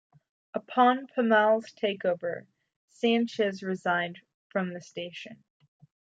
Upon Pamal's take over, Schantz resigned from the station.